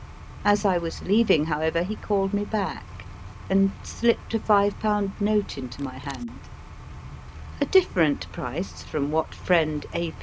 As I was leaving, however, he called me back and slipped a five pound note into my hand a different price from what friend A.